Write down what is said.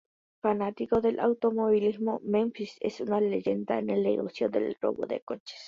Fanático del automovilismo, Memphis es una leyenda en el negocio de robo de coches.